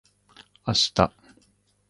明日